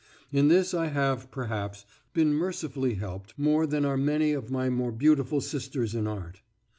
In this I have, perhaps, been mercifully helped more than are many of my more beautiful sisters in art.